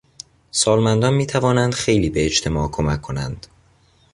سالمندان میتوانند خیلی به اجتماع کمک کنند.